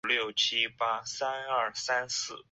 有子章碣。